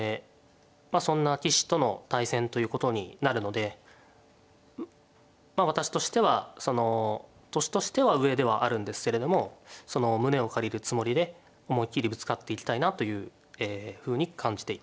そんな棋士との対戦ということになるのでまあ私としてはその年としては上ではあるんですけれども胸を借りるつもりで思い切りぶつかっていきたいなというふうに感じています。